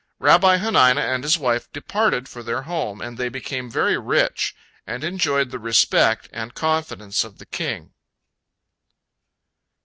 Rabbi Hanina and his wife departed for their home, and they became very rich, and enjoyed the respect and confidence of the king.